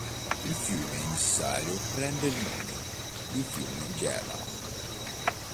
Il fiume emissario prende il nome di fiume Gela.